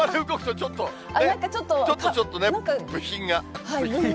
ちょっとちょっとね、部品が。